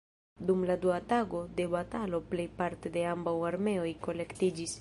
Dum la dua tago de batalo, plejparte de ambaŭ armeoj kolektiĝis.